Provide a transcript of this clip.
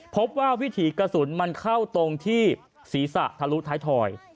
วิถีกระสุนมันเข้าตรงที่ศีรษะทะลุท้ายถอย